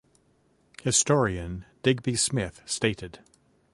Historian Digby Smith stated.